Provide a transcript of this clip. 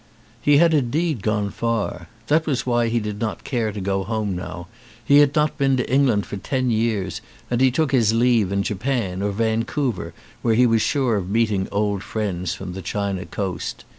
He had indeed gone far. That was why he did not care to go home now, he had not been to England for ten years, and he took his leave in Japan or Vancouver where he was sure of meeting old friends from the China coast.